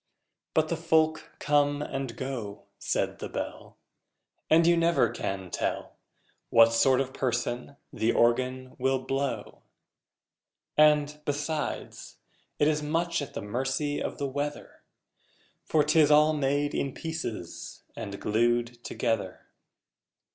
But the folk come and go, Said the Bell, And you never can tell What sort of person the Organ will blow! And, besides, it is much at the mercy of the weather For 'tis all made in pieces and glued together!